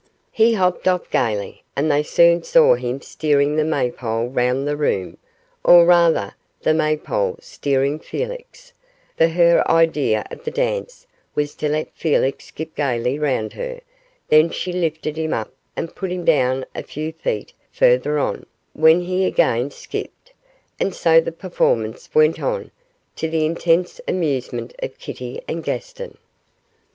He hopped off gaily, and they soon saw him steering the maypole round the room, or rather, the maypole steered Felix, for her idea of the dance was to let Felix skip gaily round her; then she lifted him up and put him down a few feet further on, when he again skipped, and so the performance went on, to the intense amusement of Kitty and Gaston.